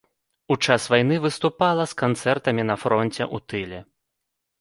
У час вайны выступала з канцэртамі на фронце, у тыле.